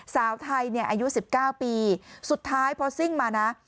สาวไทยเนี่ยอายุ๑๙ปีสุดท้ายพอซิ่งมานะ